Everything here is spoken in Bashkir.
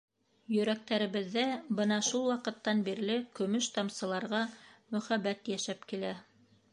Йөрәктәребеҙҙә бына шул ваҡыттан бирле көмөш тамсыларға мөхәббәт йәшәп килә.